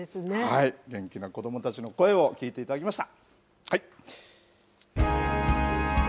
元気な子どもたちの声を聞いていただきました。